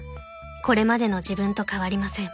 これまでの自分と変わりません］